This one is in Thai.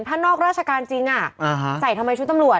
ถ้านอกราชการจริงใส่ทำไมชุดตำรวจ